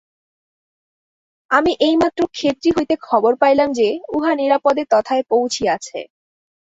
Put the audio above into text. আমি এইমাত্র খেতড়ি হইতে খবর পাইলাম যে, উহা নিরাপদে তথায় পৌঁছিয়াছে।